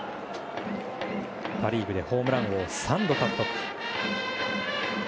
パ・リーグでホームラン王を３度獲得。